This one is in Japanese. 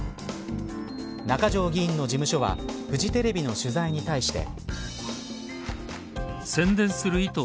中条議員の事務所はフジテレビの取材に対して。